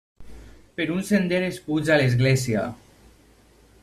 Per un sender es puja a l'església.